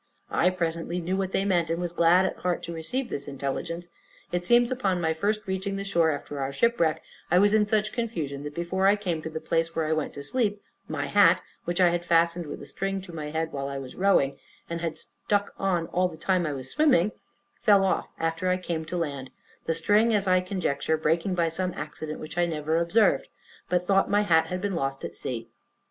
I presently knew what they meant, and was glad at heart to receive this intelligence. It seems upon my first reaching the shore, after our shipwreck, I was in such confusion, that, before I came to the place where I went to sleep, my hat, which I had fastened with a string to my head while I was rowing, and had stuck on all the time I was swimming, fell off after I came to land; the string, as I conjecture, breaking by some accident which I never observed, but thought my hat had been lost at sea.